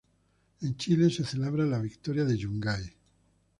En Chile, se celebra la victoria de Yungay.